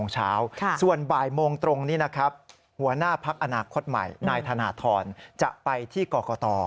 จะไปที่กอกต